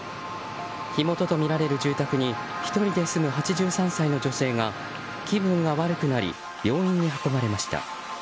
火元とみられる住宅に１人で住む８３歳の女性が気分が悪くなり病院に運ばれました。